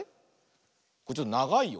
これちょっとながいよ。